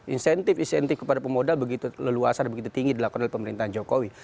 insentif insentif kepada pemodal begitu leluasan begitu tinggi dilakukan oleh pemerintah jokowi